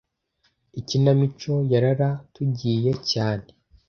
Ikinamico yararatugiye cyane